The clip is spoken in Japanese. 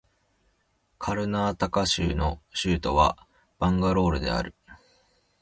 カルナータカ州の州都はバンガロールである